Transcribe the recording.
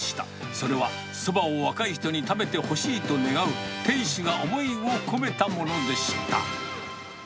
それは、そばを若い人に食べてほしいと願う、店主が思いを込めたものでした。